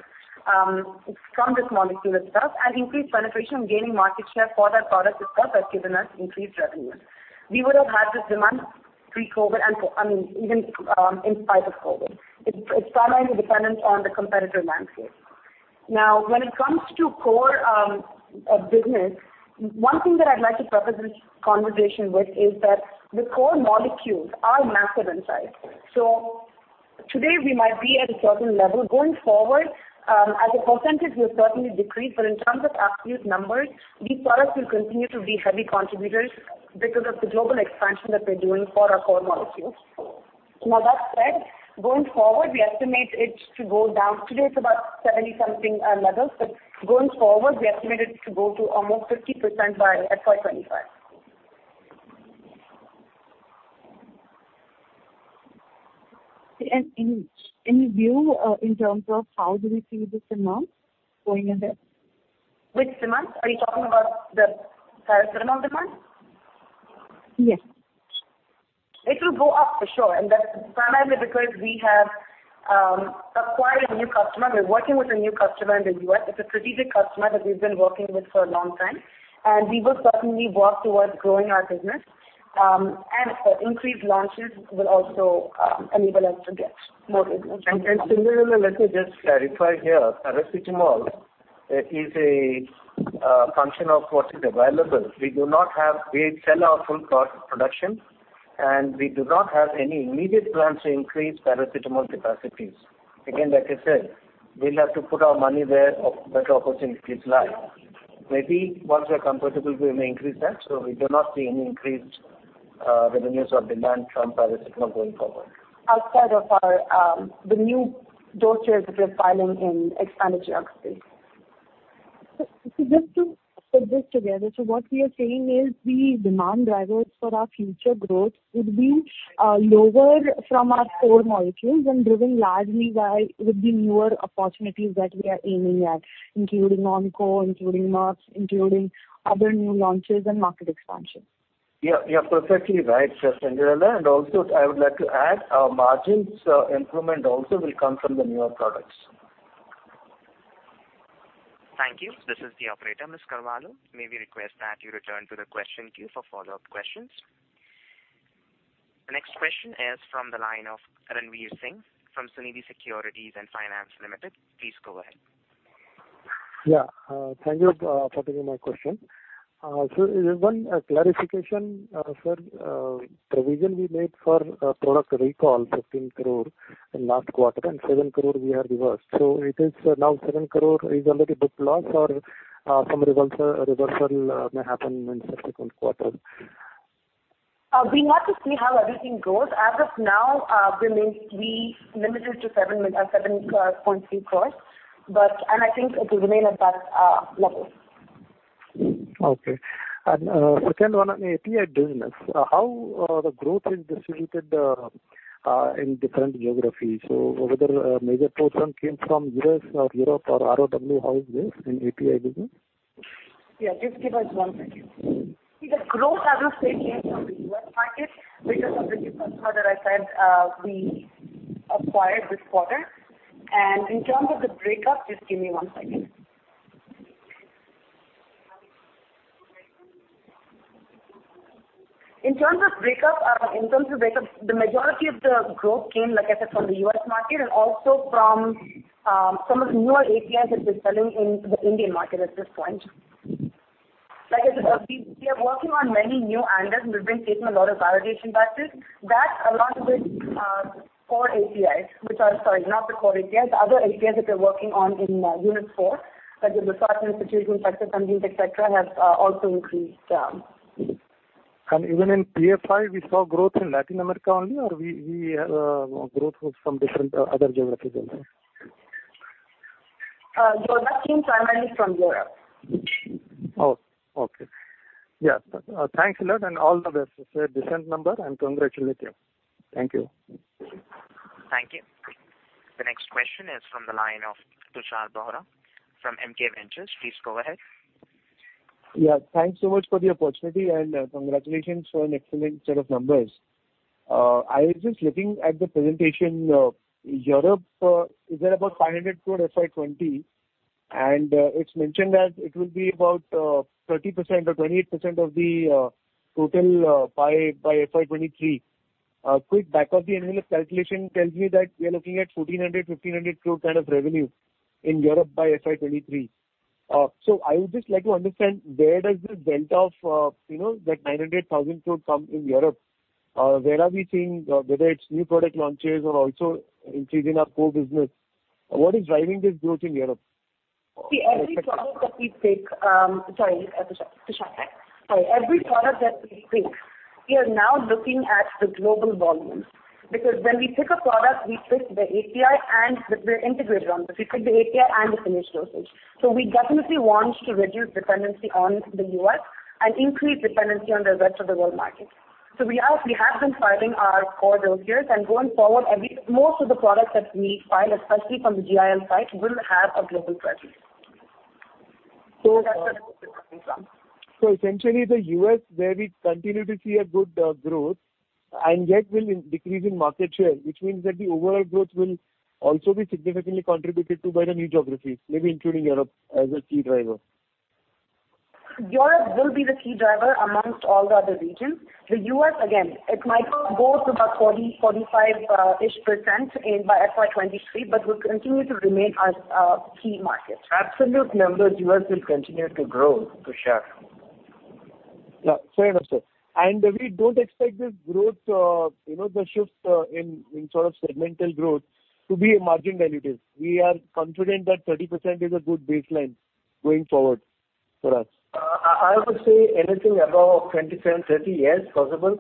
From this molecule itself and increased penetration, gaining market share for that product itself has given us increased revenue. We would have had this demand pre-COVID, and even in spite of COVID. It's primarily dependent on the competitive landscape. When it comes to core business, one thing that I'd like to preface this conversation with is that the core molecules are massive in size. Today we might be at a certain level. Going forward, as a percentage, we'll certainly decrease, but in terms of absolute numbers, these products will continue to be heavy contributors because of the global expansion that we're doing for our core molecules. That said, going forward, we estimate it to go down. Today, it's about 70-something levels, but going forward, we estimate it to go to almost 50% by FY 2025. Any view in terms of how do we see this demand going ahead? Which demand? Are you talking about the paracetamol demand? Yes. It will go up for sure. That's primarily because we have acquired a new customer. We're working with a new customer in the U.S. It's a strategic customer that we've been working with for a long time. We will certainly work towards growing our business. Increased launches will also enable us to get more business. similarly, let me just clarify here, paracetamol is a function of what is available. We sell our full product production, and we do not have any immediate plans to increase paracetamol capacities. Like I said, we'll have to put our money where better opportunities lie. Maybe once we are comfortable, we may increase that. We do not see any increased revenues or demand from paracetamol going forward. Outside of the new dosages that we're filing in expanded geographies. Just to put this together, so what we are saying is the demand drivers for our future growth would be lower from our core molecules and driven largely by the newer opportunities that we are aiming at, including onco, including MABs, including other new launches and market expansion. You're perfectly right, Cyndrella. Also, I would like to add, our margins improvement also will come from the newer products. Thank you. This is the operator. Ms. Carvalho, may we request that you return to the question queue for follow-up questions. Next question is from the line of Ranvir Singh from Sunidhi Securities and Finance Limited. Please go ahead. Yeah. Thank you for taking my question. One clarification, sir. Provision we made for product recall, 15 crore in last quarter, and 7 crore we have reversed. Now 7 crore is already booked loss or some reversal may happen in subsequent quarters? We'll have to see how everything goes. As of now, remains we limited to 7.3 crore, and I think it will remain at that level. Okay. Second one on API business, how the growth is distributed in different geographies? Whether a major portion came from U.S. or Europe or ROW, how is this in API business? Yeah. Just give us one second. See, the growth as of today came from the U.S. market because of the customer that I said we acquired this quarter. In terms of the breakup, just give me one second. In terms of breakup, the majority of the growth came, like I said, from the U.S. market and also from some of the newer APIs that we're selling in the Indian market at this point. Like I said, we are working on many new ANDAs, and we've been taking a lot of validation batches. That, along with core APIs, which are Sorry, not the core APIs, the other APIs that we're working on in unit 4, like the research institutional sector, sundries, et cetera, have also increased. Even in PFI, we saw growth in Latin America only, or we growth from different other geographies also? Growth came primarily from Europe. Oh, okay. Yeah. Thanks a lot, and all the best. It's a decent number, and congratulations. Thank you. Thank you. The next question is from the line of Tushar Bohra from MKVentures. Please go ahead. Thanks so much for the opportunity, and congratulations for an excellent set of numbers. I was just looking at the presentation. Europe is at about 500 million FY 2020, and it's mentioned that it will be about 30% or 28% of the total by FY 2023. A quick back of the envelope calculation tells me that we are looking at 1,400 million, 1,500 million kind of revenue in Europe by FY 2023. I would just like to understand where does this delta of that 900,000 million come in Europe? Where are we seeing, whether it's new product launches or also increasing our core business, what is driving this growth in Europe? Every product that we take Sorry, Tushar. Sorry. Every product that we take, we are now looking at the global volumes. When we pick a product, we pick the API and the integrated one. We pick the API and the finished dosage. We definitely want to reduce dependency on the U.S. and increase dependency on the rest of the world market. We have been filing our core dossiers, and going forward, most of the products that we file, especially from the GIL side, will have a global presence. That's where the growth is coming from. Essentially, the U.S., where we continue to see a good growth and yet will decrease in market share, which means that the overall growth will also be significantly contributed to by the new geographies, maybe including Europe as a key driver. Europe will be the key driver amongst all the other regions. The U.S., again, it might go to about 40, 45-ish% by FY 2023, but will continue to remain our key market. Absolute numbers, U.S. will continue to grow, Tushar. Yeah. Fair enough, sir. We don't expect this growth, the shifts in sort of segmental growth to be a margin dilutive. We are confident that 30% is a good baseline going forward for us. I would say anything above 27%, 30%, yes, possible.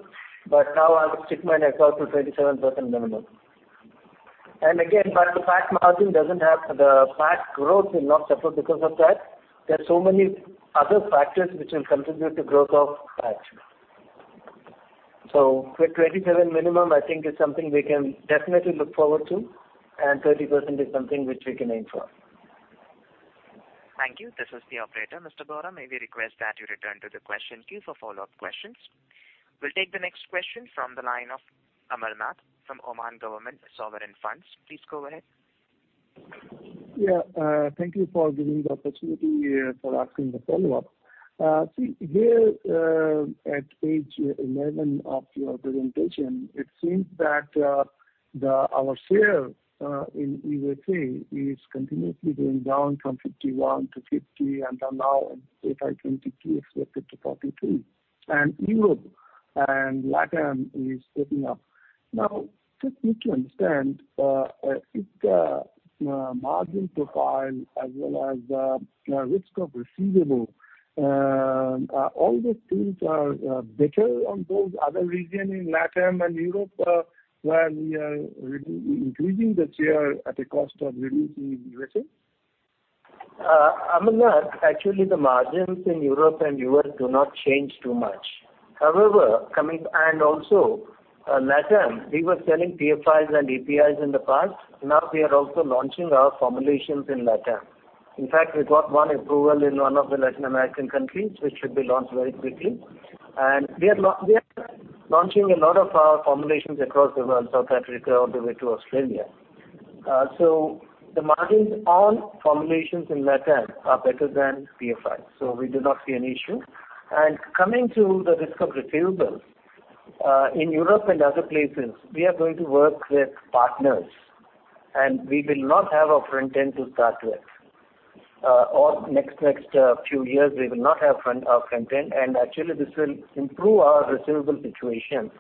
Now I would stick my neck out to 27% minimum. The PAT growth will not suffer because of that. There are so many other factors which will contribute to growth of PAT. With 27% minimum, I think it's something we can definitely look forward to, and 30% is something which we can aim for. Thank you. This is the operator. Mr. Bohra, may we request that you return to the question queue for follow-up questions. We'll take the next question from the line of Amal Nath from Oman Government Sovereign Funds. Please go ahead. Yeah. Thank you for giving the opportunity for asking the follow-up. See, here at page 11 of your presentation, it seems that our share in USA is continuously going down from 51 to 50, and then in FY 2022, expected to 42, and Europe and LATAM is picking up. Now, just need to understand if the margin profile as well as risk of receivable, all those things are better on those other region in LATAM and Europe, where we are increasing the share at the cost of reducing USA? Amal Nath, actually, the margins in Europe and U.S. do not change too much. Also LATAM, we were selling PFIs and APIs in the past. Now we are also launching our formulations in LATAM. In fact, we got one approval in one of the Latin American countries, which should be launched very quickly. We are launching a lot of our formulations across the world, South Africa, all the way to Australia. The margins on formulations in LATAM are better than PFI, we do not see an issue. Coming to the risk of receivables, in Europe and other places, we are going to work with partners, and we will not have a front end to start with, or next few years, we will not have our front end. Actually, this will improve our receivable situation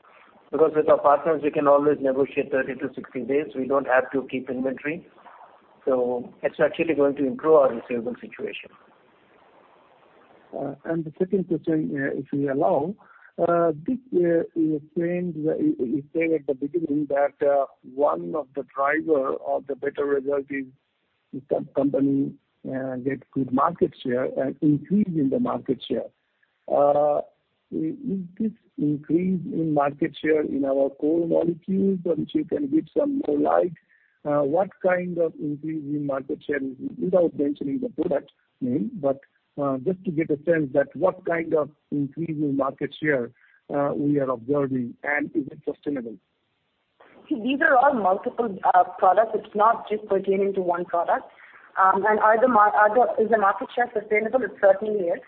because with our partners, we can always negotiate 30 to 60 days. We don't have to keep inventory. It's actually going to improve our receivable situation. The second question, if you allow. Dick, you were saying at the beginning that one of the driver of the better result is the company get good market share, increase in the market share. Is this increase in market share in our core molecules, which you can give some more light? What kind of increase in market share, without mentioning the product name, but just to get a sense that what kind of increase in market share we are observing, and is it sustainable? See, these are all multiple products. It's not just pertaining to one product. Is the market share sustainable? It certainly is.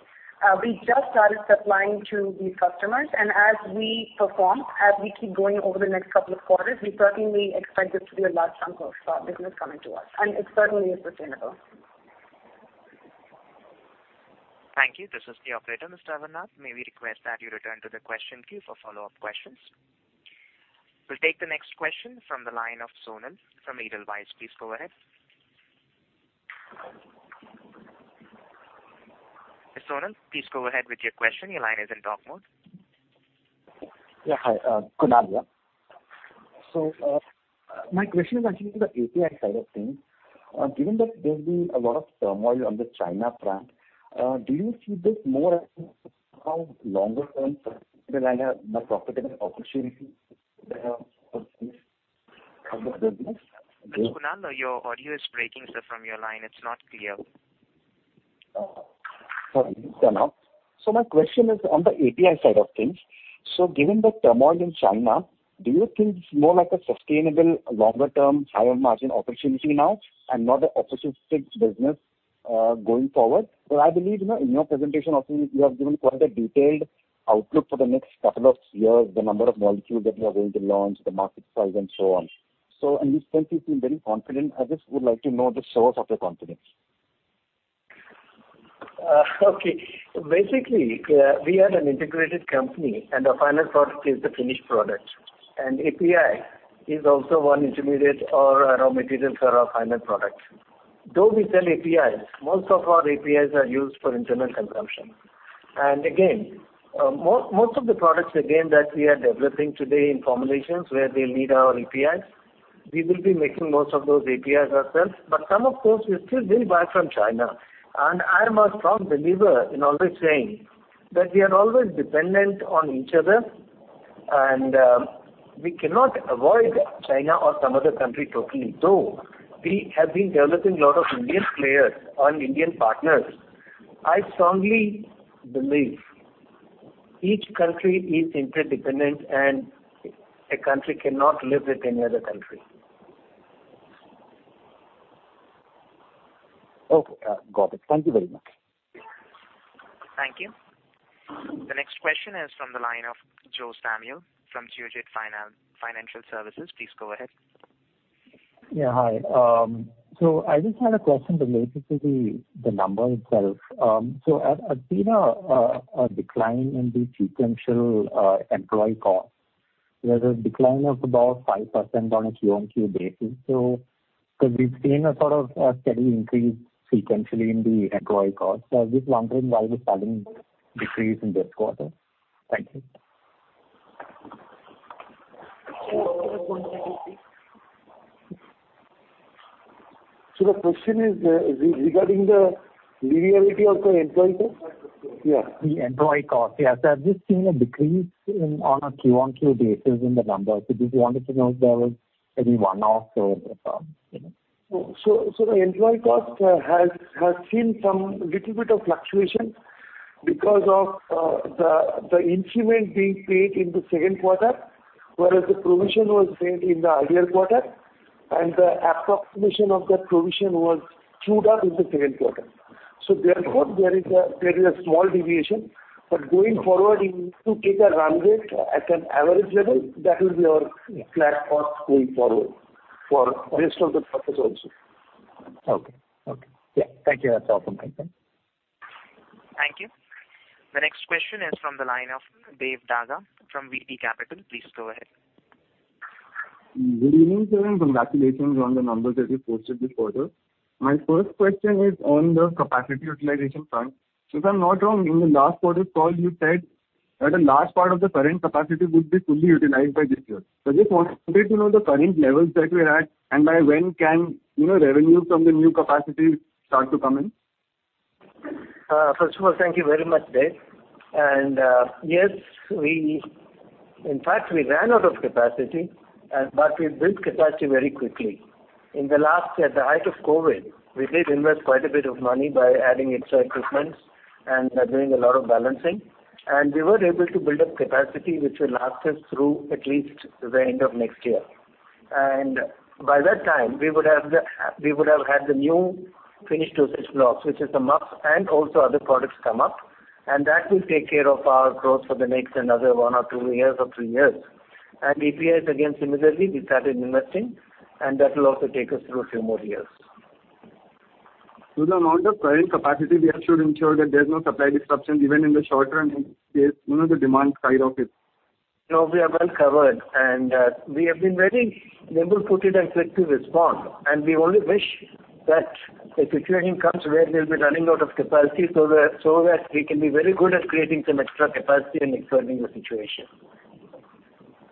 We just started supplying to these customers, and as we perform, as we keep going over the next couple of quarters, we certainly expect this to be a large chunk of business coming to us, and it certainly is sustainable. Thank you. This is the operator. Mr. Amarnath, may we request that you return to the question queue for follow-up questions? We'll take the next question from the line of Kunal from Edelweiss. Please go ahead. Kunal, please go ahead with your question. Your line is in talk mode. Yeah. Hi, Kunal here. My question is actually on the API side of things. Given that there's been a lot of turmoil on the China front, do you see this more as somehow longer term more profitable opportunity there for business? Mr. Kunal, your audio is breaking, sir, from your line. It's not clear. Sorry. It's Kunal. My question is on the API side of things. Given the turmoil in China, do you think it's more like a sustainable, longer-term, higher margin opportunity now and not an opportunistic business going forward? I believe in your presentation also, you have given quite a detailed outlook for the next couple of years, the number of molecules that you are going to launch, the market size and so on. In this sense, you seem very confident. I just would like to know the source of your confidence. Okay. Basically, we are an integrated company and our final product is the finished product. API is also one intermediate or raw materials for our final products. Though we sell APIs, most of our APIs are used for internal consumption. Again, most of the products, again, that we are developing today in formulations where they need our APIs, we will be making most of those APIs ourselves. Some, of course, we still will buy from China. I am a strong believer in always saying that we are always dependent on each other, and we cannot avoid China or some other country totally. Though, we have been developing a lot of Indian players and Indian partners. I strongly believe each country is interdependent, and a country cannot live with any other country. Okay. Got it. Thank you very much. Thank you. The next question is from the line of Joe Samuel from Geojit Financial Services. Please go ahead. Yeah, hi. I just had a question related to the number itself. I've seen a decline in the sequential employee cost. There's a decline of about 5% on a Q-on-Q basis. Because we've seen a sort of steady increase sequentially in the employee cost. I was just wondering why the sudden decrease in this quarter. Thank you. One second, please. The question is regarding the linearity of the employee cost? Yeah. The employee cost. Yeah. I've just seen a decrease on a Q-on-Q basis in the numbers. Just wanted to know if there was any one-off or The employee cost has seen some little bit of fluctuation because of the increment being paid in the second quarter, whereas the provision was made in the earlier quarter, and the approximation of that provision was chewed up in the second quarter. Therefore, there is a small deviation. Going forward, if you take a run rate at an average level, that will be our platform going forward for rest of the quarters also. Okay. Yeah. Thank you. That's all from my side. Thank you. The next question is from the line of Dev Daga from VD Capital. Please go ahead. Good evening, sir, and congratulations on the numbers that you posted this quarter. My first question is on the capacity utilization front. If I'm not wrong, in the last quarter's call you said that a large part of the current capacity would be fully utilized by this year. I just wanted to know the current levels that we're at, and by when can revenue from the new capacity start to come in? First of all, thank you very much, Dev. yes, in fact we ran out of capacity, but we built capacity very quickly. At the height of COVID, we did invest quite a bit of money by adding extra equipment and doing a lot of balancing, and we were able to build up capacity, which will last us through at least the end of next year. by that time, we would have had the new finished dosage blocks, which is the MUPS and also other products come up, and that will take care of our growth for the next another one or two years or three years. APIs, again, similarly, we started investing, and that will also take us through a few more years. With the amount of current capacity, we are sure to ensure that there's no supply disruptions even in the short run in case the demand skyrockets. No, we are well covered, and we have been very nimble-footed and quick to respond, and we only wish that a situation comes where we'll be running out of capacity so that we can be very good at creating some extra capacity and exploiting the situation.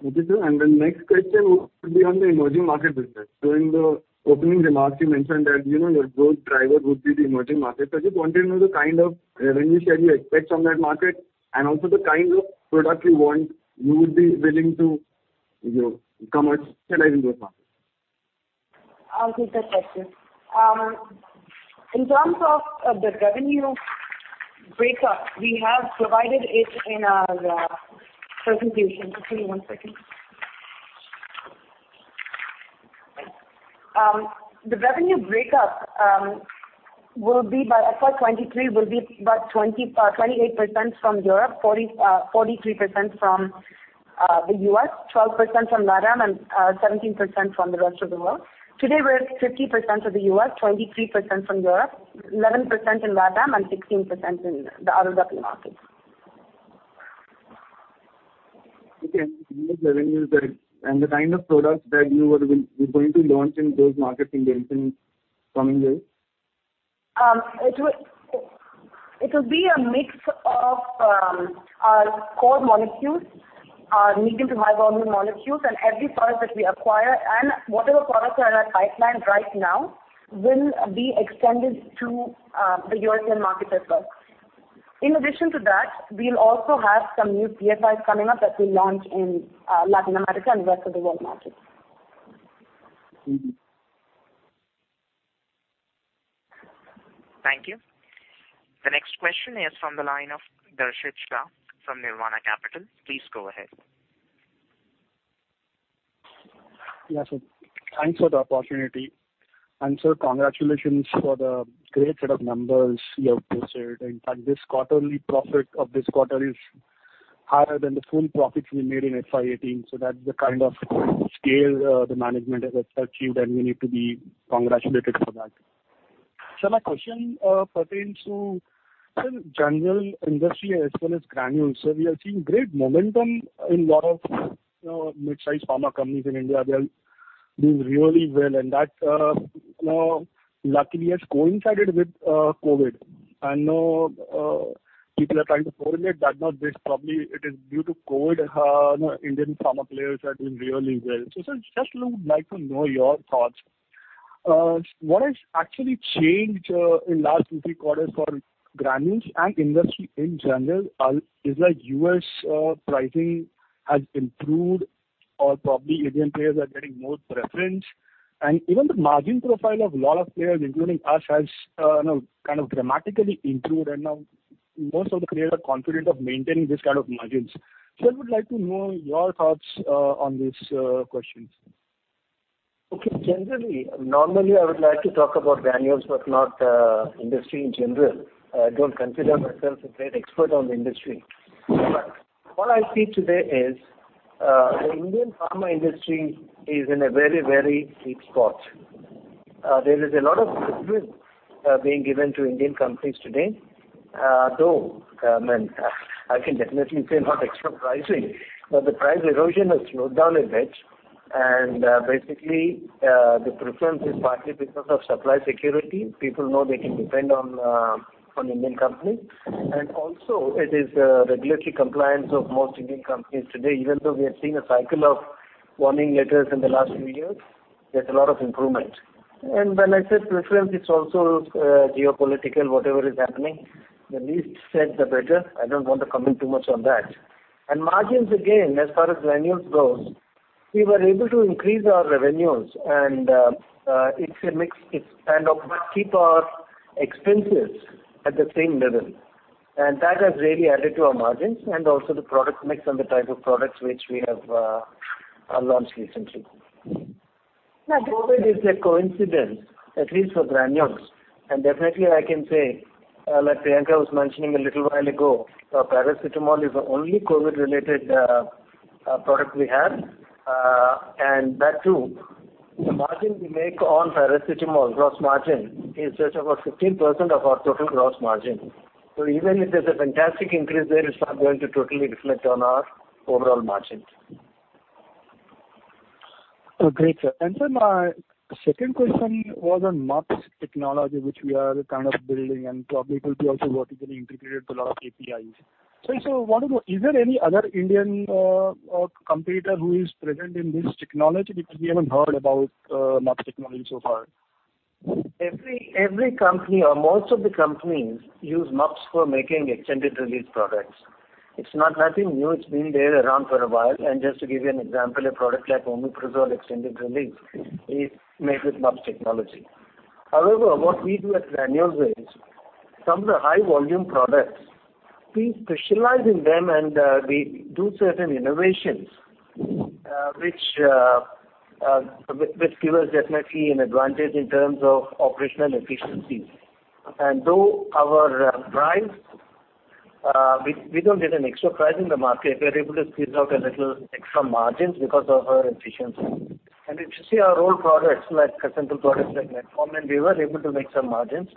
Understood. the next question will be on the emerging market business. During the opening remarks, you mentioned that your growth driver would be the emerging market. I just want to know the kind of revenue share you expect from that market and also the kind of product you would be willing to commercialize in those markets. I'll take that question. In terms of the revenue breakup, we have provided it in our presentation. Just give me one second. The revenue breakup, by FY 2023, will be about 28% from Europe, 43% from the U.S., 12% from LATAM, and 17% from the rest of the world. Today, we're at 50% of the U.S., 23% from Europe, 11% in LATAM, and 16% in the other GP markets. Okay. The kind of products that you are going to launch in those markets in the coming days? It will be a mix of our core molecules, our medium to high volume molecules, and every product that we acquire and whatever products are in our pipeline right now will be extended to the European market as well. In addition to that, we'll also have some new PFIs coming up that we'll launch in Latin America and rest of the world markets. Thank you. Thank you. The next question is from the line of Darshit Shah from Nirvana Capital. Please go ahead. Yeah, sure. Thanks for the opportunity. Sir, congratulations for the great set of numbers you have posted. In fact, this quarterly profit of this quarter is higher than the full profits we made in FY 2018. That's the kind of scale the management has achieved, and you need to be congratulated for that. Sir, my question pertains to general industry as well as Granules. We are seeing great momentum in lot of mid-sized pharma companies in India. They are doing really well, and that luckily has coincided with COVID. I know people are trying to correlate that, no, this probably it is due to COVID how Indian pharma players are doing really well. Sir, just would like to know your thoughts. What has actually changed in last two, three quarters for Granules and industry in general? Is like U.S. pricing has improved or probably Indian players are getting more preference? Even the margin profile of a lot of players, including us, has dramatically improved, and now most of the players are confident of maintaining this kind of margins. I would like to know your thoughts on these questions. Okay. Generally, normally, I would like to talk about Granules, not industry in general. I don't consider myself a great expert on the industry. What I see today is, the Indian pharma industry is in a very sweet spot. There is a lot of preference being given to Indian companies today. Though, I can definitely say not extra pricing, but the price erosion has slowed down a bit, and basically, the preference is partly because of supply security. People know they can depend on Indian companies. Also it is regulatory compliance of most Indian companies today, even though we have seen a cycle of warning letters in the last few years, there's a lot of improvement. When I said preference, it's also geopolitical, whatever is happening, the least said the better. I don't want to comment too much on that. Margins, again, as far as Granules goes, we were able to increase our revenues, and it's a mix. It's kind of, but keep our expenses at the same level. That has really added to our margins and also the product mix and the type of products which we have launched recently. Now, COVID is a coincidence, at least for Granules. Definitely I can say, like Priyanka was mentioning a little while ago, paracetamol is the only COVID-related product we have. That too, the margin we make on paracetamol, gross margin, is just about 15% of our total gross margin. Even if there's a fantastic increase there, it's not going to totally reflect on our overall margins. Oh, great, sir. Sir, my second question was on MUPS technology, which we are kind of building and probably it will be also vertically integrated to a lot of APIs. I wanted to know, is there any other Indian competitor who is present in this technology? Because we haven't heard about MUPS technology so far. Every company or most of the companies use MUPS for making extended-release products. It's nothing new. It's been there around for a while. Just to give you an example, a product like omeprazole extended-release is made with MUPS technology. However, what we do at Granules is, some of the high volume products, we specialize in them, and we do certain innovations which give us definitely an advantage in terms of operational efficiency. Though our price, we don't get an extra price in the market, we're able to squeeze out a little extra margins because of our efficiency. If you see our old products, like central products like metformin, we were able to make some margins.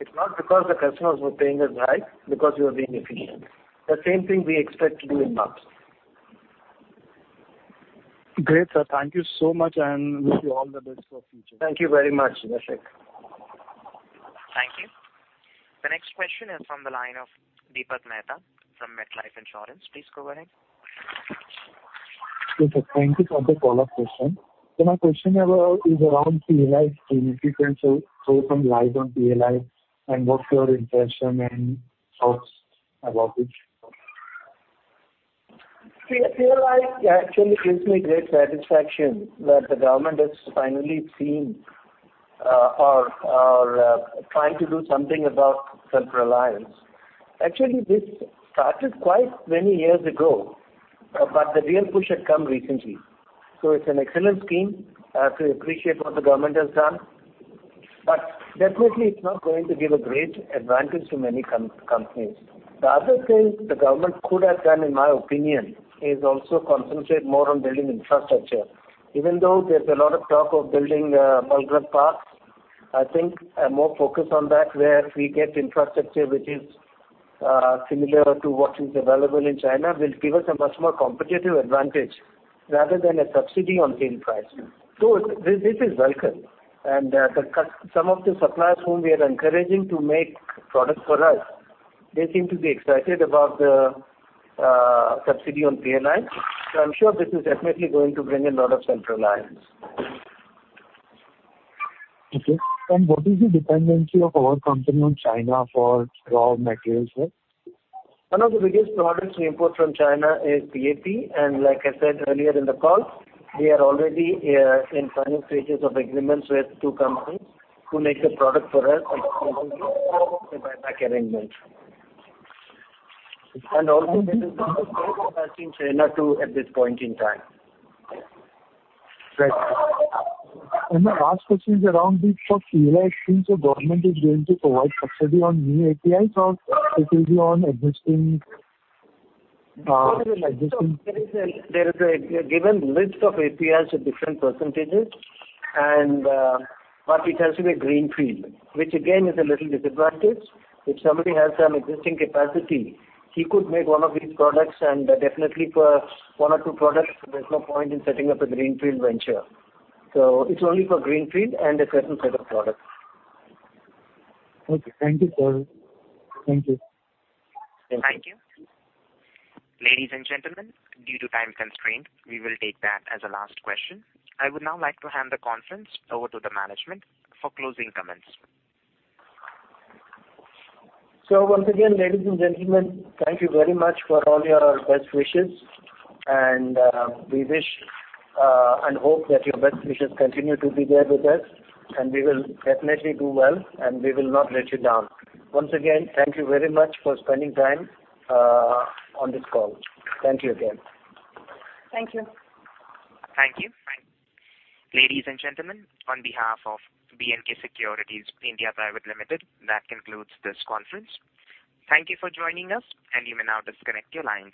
It's not because the customers were paying us high, because we were being efficient. The same thing we expect to do in MUPS. Great, sir. Thank you so much, and wish you all the best for the future. Thank you very much, Darshit. Thank you. The next question is from the line of Deepak Mehta from MetLife Insurance. Please go ahead. Okay, thank you for the follow-up question. My question is around PLI scheme. If you can throw some light on PLI and what's your impression and thoughts about it. PLI actually gives me great satisfaction that the government has finally seen or trying to do something about self-reliance. This started quite many years ago, but the real push had come recently. It's an excellent scheme. I have to appreciate what the government has done. Definitely, it's not going to give a great advantage to many companies. The other thing the government could have done, in my opinion, is also concentrate more on building infrastructure. Even though there's a lot of talk of building solar parks, I think a more focus on that where we get infrastructure which is similar to what is available in China will give us a much more competitive advantage rather than a subsidy on same price. This is welcome. Some of the suppliers whom we are encouraging to make products for us, they seem to be excited about the subsidy on PLI. I am sure this is definitely going to bring a lot of self-reliance. Okay. What is the dependency of our company on China for raw materials, sir? One of the biggest products we import from China is PAP. Like I said earlier in the call, we are already in final stages of agreements with two companies who make the product for us a buyback arrangement. Also, this is not in China too at this point in time. Great. My last question is around this PLI scheme. Government is going to provide subsidy on new APIs or it will be on existing. There is a given list of APIs with different percentages. It has to be a greenfield, which again is a little disadvantage. If somebody has some existing capacity, he could make one of these products, and definitely for one or two products, there's no point in setting up a greenfield venture. It's only for greenfield and a certain set of products. Okay. Thank you, sir. Thank you. Thank you. Ladies and gentlemen, due to time constraint, we will take that as a last question. I would now like to hand the conference over to the management for closing comments. Once again, ladies and gentlemen, thank you very much for all your best wishes, and we wish and hope that your best wishes continue to be there with us, and we will definitely do well, and we will not let you down. Once again, thank you very much for spending time on this call. Thank you again. Thank you. Thank you. Ladies and gentlemen, on behalf of BNK Securities India Private Limited, that concludes this conference. Thank you for joining us, and you may now disconnect your lines.